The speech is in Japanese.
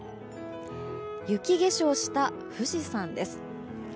雪化粧した富士山です。